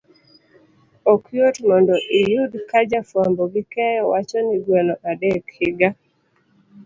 Ok yot mondo iyud ka ja fuambo gi keyo wacho ni gweno adek, higa